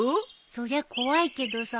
そりゃ怖いけどさ。